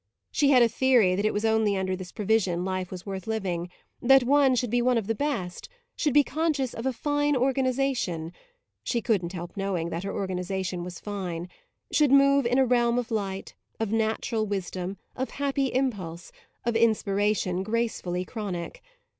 She had a theory that it was only under this provision life was worth living; that one should be one of the best, should be conscious of a fine organisation (she couldn't help knowing her organisation was fine), should move in a realm of light, of natural wisdom, of happy impulse, of inspiration gracefully chronic.